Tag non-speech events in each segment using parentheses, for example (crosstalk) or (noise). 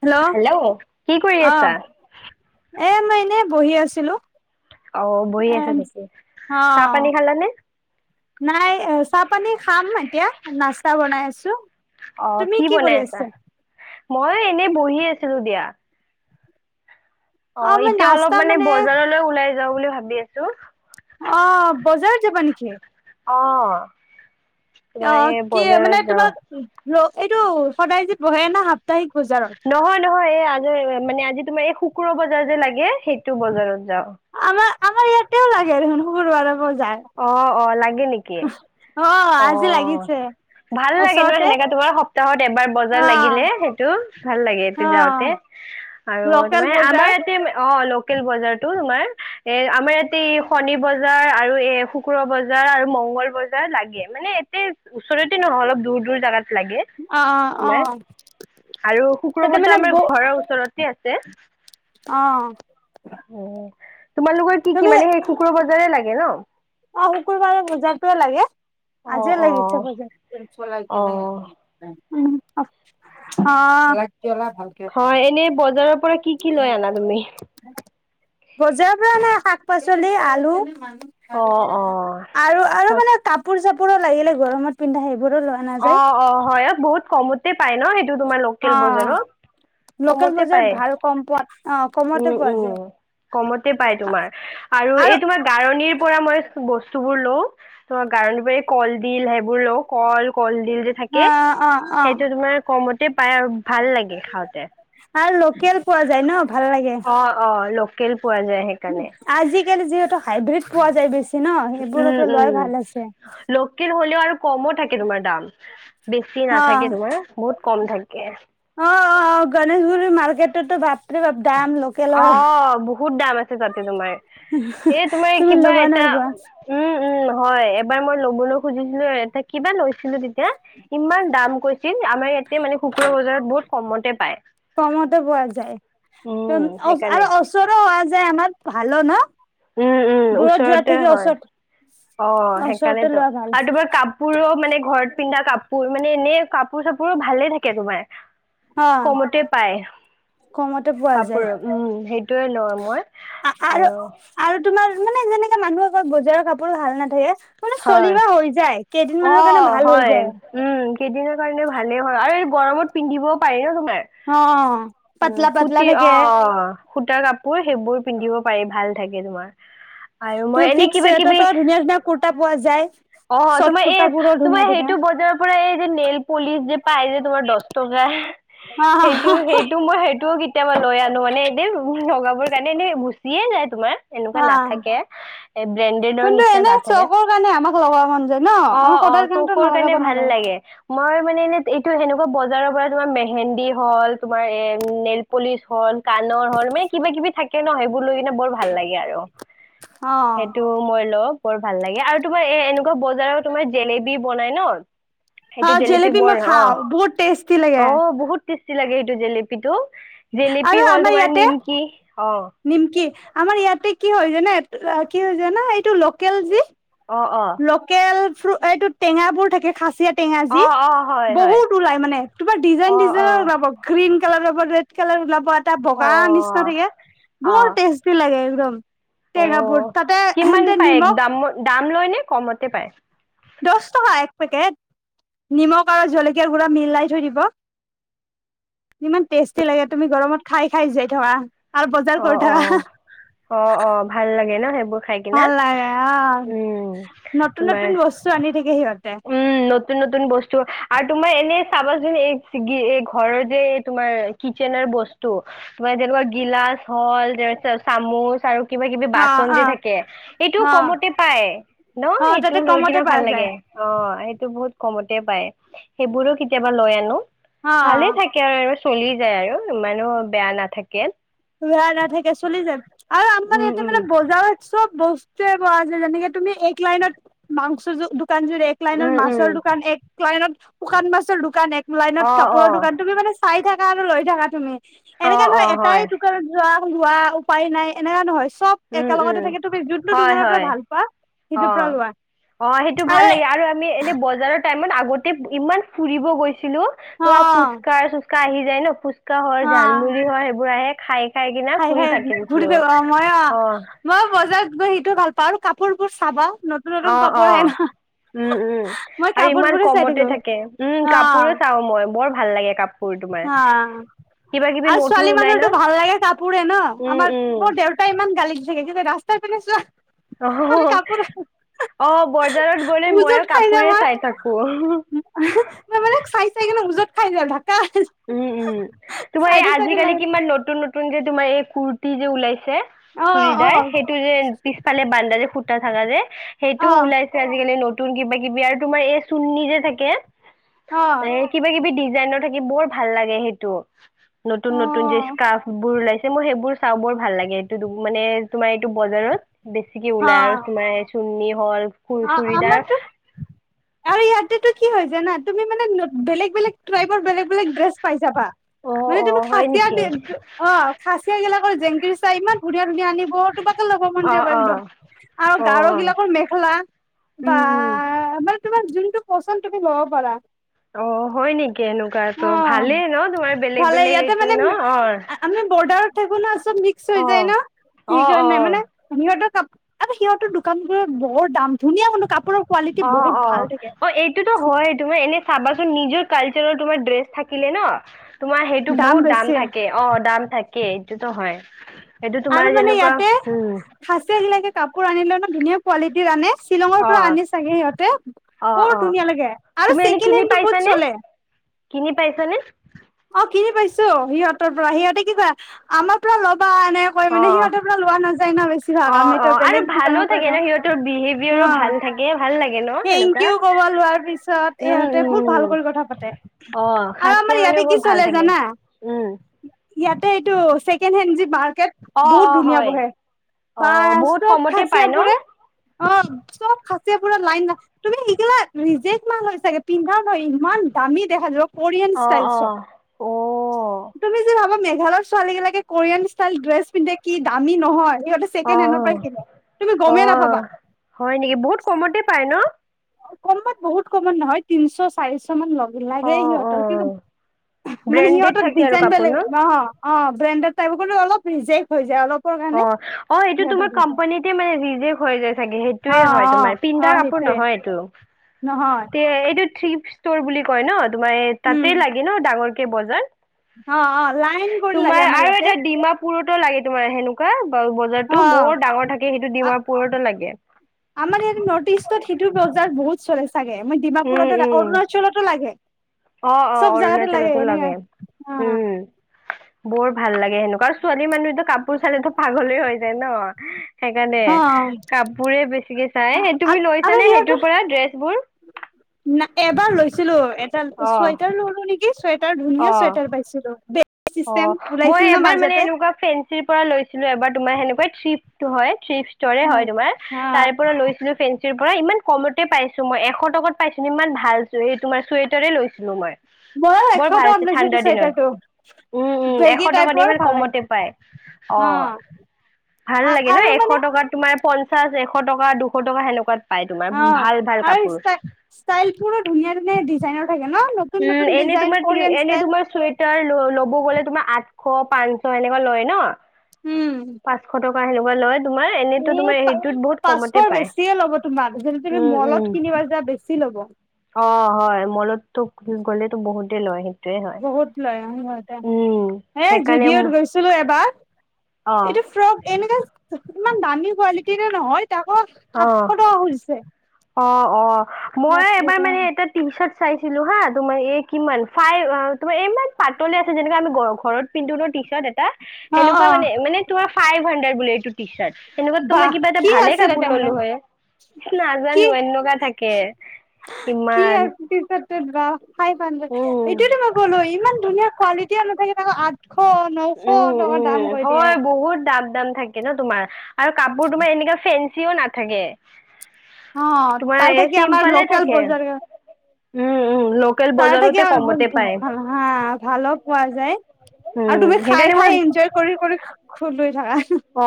Hello কি কৰি অহ। আছা? এ মই এনেই বহি আছিলো। অ', বহি এ আছে নেকি, অ চাহ পানী খালানে? নাই চাহ পানী খাম এতিয়া নাষ্টা বনাই। আছো অ কি বনাই আছা, মই এনে বহি আছিলো দিয়া। অ', এতিয়া অলপ মানে বজাৰলৈ ওলাই যাওঁ বুলি ভাবি আছো। জাপানী খে অ'। অ তোমাৰ এই কি মানে বজাৰত যাওঁ। তোমাক এইটো সদায়, যে বহে না সাপ্তাহিক। বজাৰত নহয় নহয়। এই আজি মানে আজি তোমাৰ এই খো কুকুৰ বজাৰ যে লাগে সেইটো বজাৰত যাওঁ। আমাৰ ইয়াতেও লাগে দেখোন শুকুৰবাৰে বজাৰ। অ অ লাগে নেকি? অ আজি লাগিছে। ভাল লাগে ন ওচৰতে সেনেকা তোমাৰ সপ্তাহত এবাৰ। অ অ আৰু লোকেল তাৰমানে আমাৰ বজাৰ ইয়াতে অ, ল লোকেল বজাৰতো তোমাৰ এ আমাৰ ইয়াতে শনিবজাৰ আৰু এ। শুক্ৰ বজাৰ আৰু মংগল বজাৰ লাগে। মানে এ ওচৰতে নহয়, অলপ দূৰ দূৰ জাগাত। লাগে অ, অ, তোমাৰ অ। আৰু শুক্ৰবাৰটো আমাৰ ঘৰৰ ওচৰতে আছে। উম অ'। তোমালোকৰ কি কি? তুমি মানে সেই শুক্ৰ বজাৰে লাগে ন? অ শুকুৰবাৰে বজাৰটোৱে লাগে। অ আজি অ লাগিছে বজাৰ। অ (unintelligible) অ হয়। এনেই বজাৰৰ পৰা কি কি লৈ আনা তুমি? বজাৰৰ পৰা নাই শাক পাচলি আলু। অ অ আৰু আৰু হয়। মানে কাপোৰ চাপোৰো লাগিলে গৰমত পিন্ধা সেই। অ, অ, হয়। অ, বহুত কমতে পাই ন সেইটো তোমাৰ অ লোকেল বজাৰত। লোকেল কমতে বজাৰত পায় ভাল কম পাত অ উম কমতে পোৱা উম যায়। কমতে পাই তোমাৰ আৰু এই তোমাৰ গাৰণিৰ পৰা মই বস্ত গাৰণি কলডিল সেইবোৰ লওঁ কল, কলডিল তিল যে অ থাকে অ অ সেইটো তোমাৰ কমত পাই আৰু ভাল লাগে খাওঁতে। আৰু লোকেল পোৱা যায় ন ভাল লাগে অ, অ। পোৱা যায় সেইকাৰণে আজিকালি যিহেতু হাইব্ৰীড পোৱা যায় বেছি ন সেইবোৰৰ উম পৰাই লোৱাই ভাল উম আছে। লোকেল হ'লেও আৰু কমো থাকে তোমাৰ দাম বেছি অ নাথাকে তোমাৰ বহুত কম থাকে। অ, অ গণেশগুৰি মাৰ্কেটতো বাপৰে বাপ দাম লোকেলৰ অ', বহুত দাম আছে তাতে তোমাৰ। এ তোমাৰ তুমি কিবা ল'ব এটা, নোৱাৰিবা উম, উম। হয় এবাৰ মই লবলৈ খুজিছিলো এটা কিবা লৈছিলো তেতিয়া ইমান দাম -চিল আমাৰ ইয়াতে মানে শুক্ৰ বজাৰত বহুত কমতে পায়। কমতে পোৱা উম, যায় সেইকাৰণে আৰু ওচৰো হয় যে আমাৰ ভালো ন উম, উম দূৰত যোৱা ওচৰতে থাকি হয়। ওচৰত অ ওচৰতে সেইকাৰণেতো লোৱা ভাল আৰু তোমাৰ কাপোৰো মানে ঘৰত পিন্ধা কাপোৰ মানে এনে কাপোৰ চাপোৰও ভালে থাকে তোমাৰ অ কমতে পায়। কমতে পোৱা যায় কাপোৰ উম, সেইটোৱে লওঁ মই আৰু আৰু তোমাৰ মানে যেনেকে মানুহৰ ঘৰত বজাৰৰ কাপোৰ ভাল নাথাকে মানে হয়। চলিব হৈ যায়। অ কেইদিনমানৰ কাৰণে ভাল হৈ হয় যায় উম কেইদিনৰ কাৰণে ভালেই হয় আৰু এই গৰমত পিন্ধিব উম, অ পাতলা পাতলা সুতি অ, থাকে অ। সূতা কাপোৰ সেইবোৰ পিন্ধিব পাৰি ভাল থাকে তোমাৰ আৰু মই তু এনে কিবা ফিক্স কিবি ৰেটতো ধুনীয়া ধুনীয়া কুৰ্তা পোৱা যায়। অ চৰ্ট তোমাৰ এই কুৰ্তাবোৰো ধুনীয়া তোমাৰ ধুনীয়া সেইটো বজাৰৰ পৰা এই যে নেইল পলিচ যে পাই যে তোমাৰ দশ টকা (inaudible) সেইটো অ সেইটো মই সেইটোও কেতিয়াবা লৈ আনো মানে এনেই লগাবৰ কাৰণে এনেই যিয়ে নাই তোমাৰ এনেকুৱা নাথাকে এ ব্ৰেণ্ডেডৰ কিন্তু নিচিনা এনে নাথাকে চকৰ কাৰণে আমাক লগাব মন যায় ন অ, আমাক অ সদায় কাৰণেতো চকুৰ নলগাব কাৰণে ভাল নালাগে লাগে তোমাৰ মানে এনে এইটো হেনেকুৱা বজাৰৰ পৰা তোমাৰ মেহেন্দী হ'ল তোমাৰ এ নেইল পলিচ হ'ল কাণৰ হ'ল মানে কিবা কিবি থাকে ন সেইবোৰ লৈ মানে বৰ ভাল লাগে আৰু অ সেইটো মই লওঁ বৰ ভাল লাগে আৰু তোমাৰ এ এনেকুৱা বজাৰৰ তোমাৰ জেলেবি বনাই ন। অ সেইটো জেলেপি মই বৰ অ, খাওঁ বহুত টেষ্টি লাগে অ বহুত টেষ্টি লাগে্ জেলিপিটো আৰু জেলেপি হল আমাৰ তোমাৰ ইয়াতে নিমকি অ নিমকি আমাৰ ইয়াতে কি হয় জানে কি হয় জানা এইটো লোকেল যি অ অ লোকেল ফ্ৰ এইটো টেঙাবোৰ থাকে খাচিয়া টেঙা যি অ অ হয় হয় বহুত ওলাই মানে তোমাৰ অ ডিজাইন অ ডিজাইনত ওলাব গ্ৰীণ কালাৰত ৰেড কালাৰ ওলাব এটা অ বগা নিচিনা থাকে অ বৰ টেষ্টি লাগে একদম টেঙাবোৰ অ' তাতে কিমান এন্তে পায় নিমখ একদাম দাম লয় নে কমতে পায়? দশ টকা এক পেকেট নিমখ আৰু জলকীয় গুৰা মিলাই থৈ দিব ইমান টেষ্টি লাগে তুমি গৰমত খাই খাই যাই থকা। আৰু বজাৰ অ কৰি অ অ অ থকা। ভাল লাগে ন সেইবোৰ খাই কিনা উম, নতুন তোমাৰ নতুন বস্তু আনি থাকে সিহঁতে উম নতুন নতুন বস্তু আৰু তোমাৰ চাবা চুন এই ঘৰৰ যে এই তোমাৰ কিচেনৰ বস্তু তোমাৰ যেনেকুৱা গিল গ্লাছ হল চামুচ আৰু কিবা কিবি অ বাচন অ যে থাকে এইটোও অ কমতে পায় ন অ সেইটো তাতে লৈ কিনা কমতে ভাল পোৱা যায় লাগে। অ সেইটো বহুত কমতে পায় সেইবোৰো কেতিয়াবা লৈ আনো ভালে অ থাকে আৰু চলি যায় আৰু ইমানো বেয়া নাথাকে। বেয়া নাথাকে চলি যায় আৰু আমাৰ উম ইয়াতে উম মানে বজাৰ চব বস্তুুৱে পোৱা যায় যেনেকে তুমি এক লাইনত মাংস দোকান জুৰি, এক লাইনত উম উম মাছৰ দোকান, এক লাইনত শুকান মাছৰ দোকান, এক লাইনত অ অ কাপোৰৰ দোকান, তুমি মানে চাই থাকা আৰু লৈ থাকা তুমি। এনেকা অ' নহয় অ' এটাই হয়। দোকানত যোৱা লোৱা উপায় নাই, এনেকা নহয় চব উম একেলগতে উম থাকে তুমি যোনটো হয় দোকানৰ পৰা হয় ভাল পোৱা সেইটোৰ পৰা অ' লোৱা অ' সেইটো ভাল আৰে লাগে আৰু আমি এনে বজাৰৰ টাইমত আগতে ইমান ফুৰিব গৈছিলো, অ তোৰা ফুচকা চুচকা আহি যায় ন ফু হয় অ জালমুৰি হয়, সেইবোৰ আহে খাই কিনা খাই ফুৰি খাই থাকি ঘুৰি দিছিলো ফু মইও অ মই মই বজাৰ গৈ সিটো ভাল তাৰ কাপোৰ বোৰ চাবা, নতুন অ নতুন অ কাপোৰ আহে ন। উম' উম মই আৰু কাপোৰ ইমান বোৰে চাই কমতে থাকো থাকে উম', অ কাপোৰো চাও মই বৰ ভাল লাগে কাপ বোৰ তোমাৰ। কিবা কিবি আৰ নতুন ছোৱালী ওলাই ন মানুহৰতো ভাল লাগে কাপোৰে ন, উম আমাৰ, মোৰ উম দেউতাই ইমান গালি (unintelligible) ৰাস্তাৰ পিনে চোৱা খালি অ কাপোৰ অ', বজাৰত গ'লে মইয়ো উজত খাই যাওঁ কাপোৰে মই চাই থাকো। মই এইবিলাক চাই চাই কিনে ওজত খাই য ঢাক উম', উম, তোমাৰ এই চাইডে আজিকালি লাগে কিমান নতুন নতুন যে তোমাৰ এই কুুৰ্তি যে উলাই চে অ অ চুৰিদাৰ সেইটো যে পিছফালে বান্দাৰে ফুটা থকা যে। অ সেইটোও ওলাইছে আজিকালি নতুন কিবা কিবি আৰ তোমাৰ এই চুন্নি যে থাকে অ এ কিবা কিবি ডিজাইনৰ থাকে বৰ ভাল লাগে সেইটো। অ নতুন নতুন যে স্কাৰ্ফবোৰ ওলাইছে, মই সেইবোৰ চাওঁ বৰ ভাল লাগে এইটোত মানে তোমাৰ টো বজাৰত বেছিকে অ ওলাই আৰু তোমাৰ চুন্নি হ'ল কোৰি অ চুৰিদাৰ আমাৰতো আৰু ইয়াতেটো কি হয় জানা, তুমি মানে নত বেলেগ বেলেগ ট্ৰাই বেলেগ বেলেগ ড্ৰেছ পাই যাবা। অ মানে অ তুমি হয় খাচিয়াৰ নেকি দে দো অ', খাচিয়া গিলাকৰ জেংগীৰ চাহ ইমান ধুনিয়া ধুনীয়া আনিব তোমাকে ল'ব মন অ যাব অ একদম আৰু অ গাৰ গিলাকৰ মেখেলা। বা, উম উম মানে তোমাৰ যোনটো পচন্দ তুমি ল'ব পাৰা। অ', হয় নেকি অ এনেকুৱাটো ভালেই ন, তোমাৰ বেলেগ ভালে বেলেগ ইয়াতে এইটো মানে ন, আমি অ'। বৰ্ডাৰত থাকো ন, চব মিক্স হৈ অ যায় ন, অ সেইকাৰণেই মানে অ সিহঁতৰ কাপ আকৌ সিহঁতৰ দোকান বোৰত বৰ দাম, ধুনীয়া হ'লেও কাপোৰৰ কোৱালিটি অ', বহুত ভাল অ', থাকে অ' এইটোতো হয় তোমাৰ এনে চাবাচোন নিজৰ কালচাৰৰ তোমাৰ ড্ৰেছ থাকিলে ন তোমাৰ সেইটো বহুত দাম থাকে অ', দাম থাকেই এইটোতো হয়। সেইটো তোমাৰ আৰু মানে যেনেকুৱা ইয়াতে উম সাচিয়াগিলাকে কাপোৰ আনিলে ন, ধুনীয়া কোৱালিটিৰ আনে। শ্বিলঙৰ অ পৰা আনে চাগে সিহঁতে। অ বৰ অ ধুনীয়া লাগে আৰু তুমি এনে ছেকেণ্ড কিনি হেণ্ডটো বহুত পাইছানে চলে। কিনি পাইছা নে? অ কিনি পাইছো, সিহঁতৰ পৰা সিহঁতে কি ক আমাৰ পৰা ল'বা এনে কয় অ মানে, সিহঁতৰ পৰা লোৱা নাযায় ন অ বেছিভাগ অ আমিতো আৰু বেলেগ ভালো দোকানৰ পৰা লওঁ অ, এ ভাল লা হেংকেউ ক'ব লোৱাৰ পিছত উম এহঁতে বহুত ভাল উম কৰি কথা পাতে, অ আৰু খাচীয়া আমাৰ ইয়াত মানুহ তে বহুত কি ভাল চলে থাকে জানা উম, ইয়াতে এইটো ছেকেণ্ড হেণ্ড যি বা অ বহুত অ ধুনীয়া হয় বহে, অ বা বহুত চব কমতে খাচিয়া পায় ন বোৰে অ, চব খাচিয়াবোৰে লাইন তুমি সিগিলা, ৰিজেক মাল হয় চাগে পিন্ধা হয় ইমান দামী দেখাত ৰ কৰিয়ান অ ষ্টাইল অ চ, অ তুমি যে ভাবা মে ঘালয় ছোৱালী বিলাকে কোৰিয়ান ষ্টাইল ড্ৰেছ পিন্ধে, কি দামী নহয় সিহতে অ ছেকেণ্ড হেডৰ পৰা থাকিলে তুমি অ গমেই নাপাবা। হয় নেকি বহুত কমতে পায় ন কমত বহুত কমত নহয় তিনিশ, চাৰিশ কি অ লাগেই অ সিহঁতৰ কিন্তু মানে ব্ৰেণ্ডেড সিহঁতৰ থাকে আৰু ডিজাইন কাপোৰ বেলেগ ন নহ। অ, ব্ৰেণ্ডেড টাইপ গলে অল ৰিজেক হৈ যায় অলপ অ', অ', এইটো তোমাৰ কোম্পানীতে মানে ৰেজেক্ত যায় চাগে অ সেইটোয়ে হয় তোমাৰ অ পিন্ধা অ কাপোৰ সেইটোয়ে নহয়। নহয় তি এইটো থ্ৰী ষ্টৰ বুলি কয় ন তোমাৰ উম তাতে লাগে ন ডাঙৰটো কেই বজাত অ অ লাইন কৰি লাগে তোমাৰ আমাৰ আৰু ইয়াতে এটা ডিমাপুৰতো লাগে তোমাৰ সেনেকুৱা বজাৰতো বৰ অ ডাঙৰ থাকে সেইটো ডিমাপুৰতো লাগে। আমাৰ ইয়াত নৰ্থ ইষ্টত সেইটোৰ বোজা বহুত চলে চাগে মই উম ডিমাপুৰতো উম অৰুণাচলতো লাগে। অ অ চব জাগাতে অৰুণাচলতো এনেকে লাগে অ উম বৰ ভাল লাগে সেনেকুৱা আৰু ছোৱালী মানুহো তো কাপোৰ চালেতো পাগলে হৈ যায় ন সেইকাৰণে অ কাপোৰে বেছিকে চাই সেই তুমি লৈছানে সেইটোৰ পৰা ড্ৰেছবোৰ ন এবাৰ লৈছিলো অ চুৱেটাৰ ললো নেকি চুৱেটাৰ ধুনীয়া অ চুৱেটাৰ পাইছিলো দে অ মই এবাৰ মানে এনেকুৱা ফেঞ্চিৰ পৰা লৈছিলো এবাৰ তোমাৰ সেনেকুৱা্ থ্ৰী প হয় থ্ৰী স্তৰে অ হয় তোমাৰ তাৰ পৰা লৈছিলো ফেনচ চি পৰা ইমান কমতে পাইছো মই এশ টকাত পাইছো ইমান ভাল তোমাৰ চুৱেটাৰে লৈছিলো মই মই বৰ একশ ভাল আছে টকা লৈ য ঠাণ্ডাৰ চুৱেটাৰটো দিনত উম উম এশ বেগী টকাত টাইপৰ ইমান ভাল লাগে কমতে পায় অ ভাল লাগে ন আৰু এশ মানে টকাত তোমাৰ পঞ্চাশ এশ টকা দুশ টকা সেনেকুৱাত পাই তোমাৰ অ ভাল ভাল আৰু কাপোৰ ষ্টাইল বোৰো ধুনীয়া ধুনীয়া ডিজাইনৰ থাকে ন নতুন উম নতুন এনে ডিজাইন তোমাৰ কৰিয়ান এনে ষ্টাইল তোমাৰ চুৱে টাৰ লব গলে তোমাৰ আঠশ পাঞ্চ এনেকুৱা লয় ন পাঁচশ (unintelligible) এনেতো এ তোমাৰ প সেইটোত বহুত কমতে পাঁচশৰ পায়। বেছিয়ে ল'ব তোমাক যদি তুমি উম উম। মলত কিনিব যোৱা বেছি ল'ব হ'ব অ হয় মলতো গ'লেতো বহুতেই লয় সি বহুত লৈ আহো এ এ সেইকাৰণে ম জুদিঅ'ত গৈছিলো এবাৰ অ এইটো ফ্ৰক এনেকা ইমান দামী কোৱালিটিৰে নহয় তকৌ অ। আঠশ টকা খোজিছে অ অ মই এবাৰ মানে এটা টি চাৰ্ট চাইছিলো হা তোমাৰ এই কিমান ফাইভ আহ তোমাৰ ইমান পাতলে আছে যেনেকা আমি গৰ ঘৰত পিন্ধো টিচাৰ্ত এটা, অ সেনেকুৱা অ মানে মানে ফাইভ হাড্ৰেড বোলে টো টিচাৰ্ট, যেনেকুৱাতো মই বাহ কিবা এটা কি ভালে আছে কাপোৰ তাতে মানে ললো হয়। কি জানো এনেকুৱা থাকে কি ইমান। টি চাৰ্টত ফাইভ হানড্ৰেড উম। এইটোয়ো মই ক'লো ইমান ধুনীয়া কোৱালিটি নাথাকে আঠশ নশ উম টকা দাম উম কৈ দিয়ে। হয় বহুত দাম দাম থাকে ন তোমাৰ আৰু কাপোৰ তোমাৰ এনেকা ফেঞ্চিও নাথাকে। অ তোমাৰ তাৰ এই থাকি আমাৰ চিম্পলে লোকেল থাকে বজাৰ উম উম। লোকেল তাত থাকি বজাৰতে কমতে পায়। ভাল হা ভালো পোৱা যায় আৰু উম তুমি খাই সেইকাৰণে মই খাই এনজয় কৰি কৰি খোল লৈ থাকা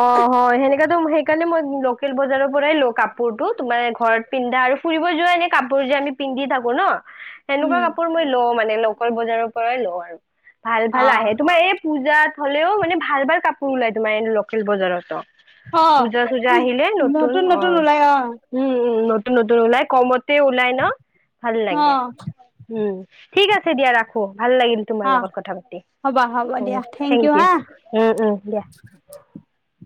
অ হয় সেনেকাতো সেইকাৰণে মই লোকেল বজাৰৰ পৰাই লও কাপোৰতো তোমাৰ ঘৰত পিন্ধা আৰু ফুৰিব যোৱা এনে কাপোৰ যে আমি পিন্ধি থাকো ন। সেনেকুৱা উম কাপোৰ মই লও মানে লোকেল বজাৰৰ পৰাই লও আৰু। ভাল ভাল অ আহে তোমাৰ এই পূজাত হলেও মানে ভাল ভাল কাপোৰ ওলাই। তোমাৰ এই লোকেল বজাৰতো। অ পূজা চূজা আহিলে নতুন অ উম উ নতুন নতুন ওলাই কমত তে ওলাই ন ভাল অ লাগে। উম ঠিক আছে দিয়া ৰাখো ভাল লাগিল তোমাৰ অ লগত কথা পাতি। হ'বা হ'ব উ দিয়া থেংক হা ইউ, উম উম দিয়া। (inaudible)